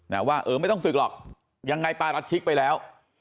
ว่าเออไม่ต้องศึกหรอกยังไงปารัชชิกไปแล้ว